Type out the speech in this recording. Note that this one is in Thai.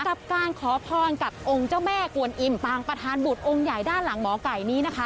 กับการขอพรกับองค์เจ้าแม่กวนอิมปางประธานบุตรองค์ใหญ่ด้านหลังหมอไก่นี้นะคะ